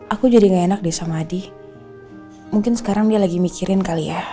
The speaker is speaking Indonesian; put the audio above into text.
aku jadi nggak enak deh sama adi mungkin sekarang dia lagi mikirin kali ya